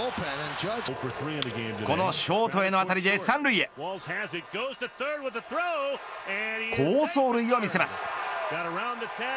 このショートへの当たりで３塁へ好走塁を見せます。